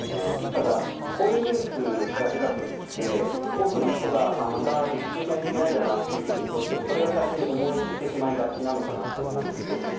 ただこういうニュースが出た時って多くの人が、また自粛しないといけないんだなってどうしても、それが最初に思ってしまいがちだと思うんですけれども。